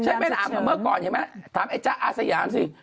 ใช่ไหมล่ะเมื่อก่อนเห็นไหมถามไอ้จ๊ะอาสยามสิ